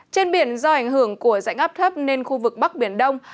trên biển do ảnh hưởng của dạnh áp thấp nên khu vực bắc biển đông